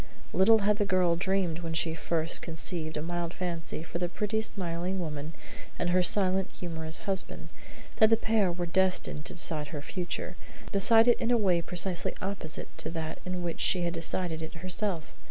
Little had the girl dreamed when she first conceived a mild fancy for the pretty, smiling woman and her silent, humorous husband, that the pair were destined to decide her future decide it in a way precisely opposite to that in which she had decided it herself.